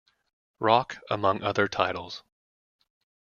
Rock, among other titles.